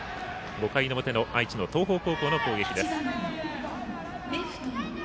５回の表の愛知の東邦高校の攻撃です。